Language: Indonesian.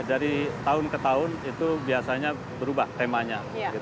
dari tahun ke tahun itu biasanya berubah temanya